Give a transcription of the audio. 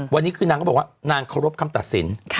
วันนี้คือนางก็บอกว่านางเคารพคำตัดสิน